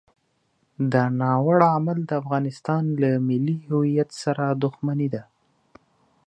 دا ناوړه عمل د افغانستان له ملي هویت سره دښمني ده.